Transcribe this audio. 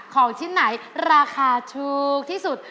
ของชิ้นไหนราคาถูกที่สุด